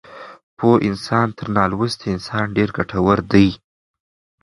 پوه انسان تر نالوستي انسان ډېر ګټور دی.